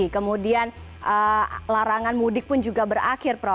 kemudian larangan mudik pun juga berakhir prof